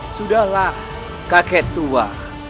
sudahlah kakek tua